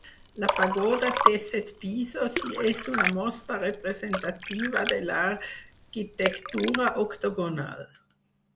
La pagoda té set pisos i és una mostra representativa de l'arquitectura octogonal.